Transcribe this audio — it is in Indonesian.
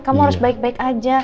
kamu harus baik baik aja